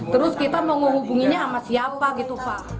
terus kita menghubunginya sama siapa gitu pak